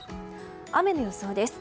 雨の予想です。